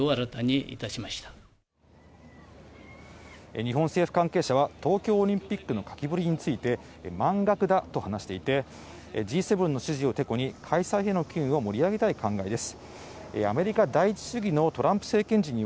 日本政府関係者は東京オリンピックのかきぶりについて満額だと話していてＧ７の支持をてこに開催への機運を高めたい考えです。